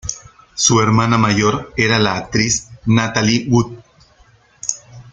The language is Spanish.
Su hermana mayor era la actriz Natalie Wood.